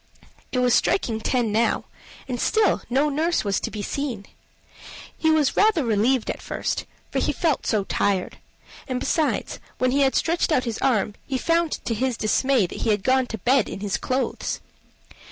It was striking ten now, and still no nurse was to be seen. He was rather relieved at first, for he felt so tired; and besides, when he stretched out his arm, he found to his dismay that he had gone to bed in his clothes.